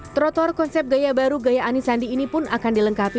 protowar konsep gaya baru gaya anisandi ini pun akan dilengkapi